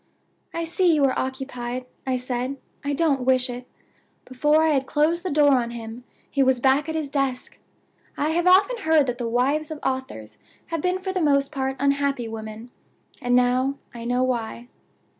'I see you are occupied,' I said; 'I don't wish it.' Before I had closed the door on him he was back at his desk. I have often heard that the wives of authors have been for the most part unhappy women. And now I know why.